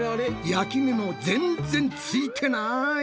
焼き目も全然ついてない。